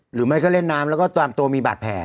หรือไม่ก็เล่นน้ำแล้วก็ตามตัวมีบาดแผล